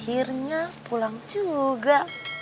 akhirnya pulang juga